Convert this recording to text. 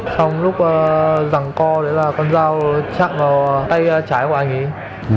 xong lúc rằng co đấy là con dao chặn vào tay trái của anh ấy